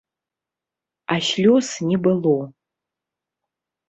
А слёз не было.